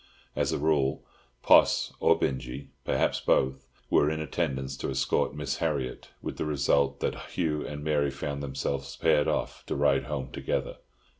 As a rule, Poss or Binjie, perhaps both, were in attendance to escort Miss Harriott, with the result that Hugh and Mary found themselves paired off to ride home together.